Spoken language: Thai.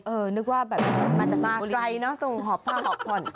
นึกว่าแบบมันจะมาไกลเนอะตรงหอบผ้าหอบผ่อน